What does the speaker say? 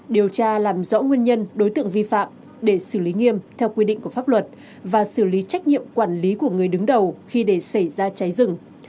điều tra làm rõ nguyên nhân đối tượng vi phạm để xử lý nghiêm theo quy định của pháp luật và xử lý trách nhiệm quản lý của người đứng đầu khi để xảy ra cháy rừng